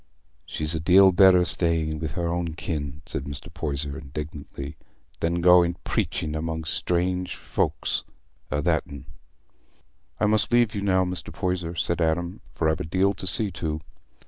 "She'd a deal better be staying wi' her own kin," said Mr. Poyser, indignantly, "than going preaching among strange folks a that'n." "I must leave you now, Mr. Poyser," said Adam, "for I've a deal to see to."